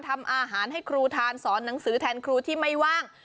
ทำอาหารให้ครูทานสอนหนังสือแทนครูที่ไม่ว่าง